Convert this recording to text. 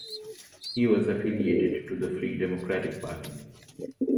He was affiliated to the Free Democratic Party.